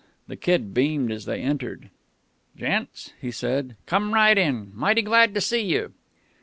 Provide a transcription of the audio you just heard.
The Kid beamed as they entered. "Gents," he said, "come right in. Mighty glad to see you."